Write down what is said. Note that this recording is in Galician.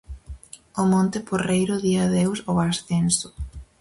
O Monte Porreiro di adeus ao ascenso.